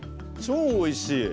超おいしい！